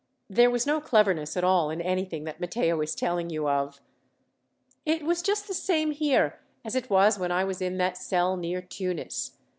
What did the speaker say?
There was no cleverness at all in anything that Matteo is telling you of. "It was just the same here as it was when I was in that cell near Tunis.